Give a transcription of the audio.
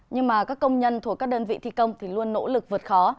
nhưng các công nhân thuộc các đơn vị thi công luôn nỗ lực vượt khó